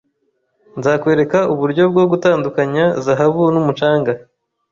Nzakwereka uburyo bwo gutandukanya zahabu n'umucanga